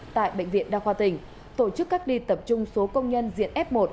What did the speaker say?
tại bệnh viện đa khoa tỉnh tổ chức cách ly tập trung số công nhân diện f một